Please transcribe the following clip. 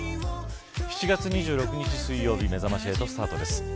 ７月２６日水曜日めざまし８スタートです。